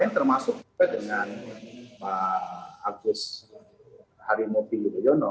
dan masuk juga dengan pak agus harimopi yudhoyono